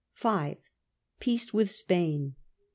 Peace with Spain.